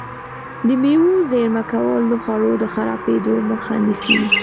د مېوو زېرمه کول د خوړو د خرابېدو مخه نیسي.